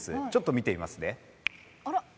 見てみますね。